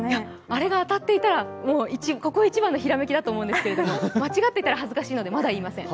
あれが当たっていたら、ここ一番のひらめきだと思うんですけど、間違っていたら恥ずかしいので、まだ言いません。